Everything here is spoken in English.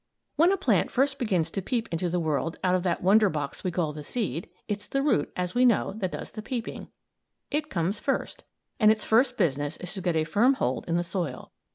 When a plant first begins to peep into the world out of that wonder box we call the seed, it's the root, as we know, that does the peeping; it comes first. And its first business is to get a firm hold in the soil.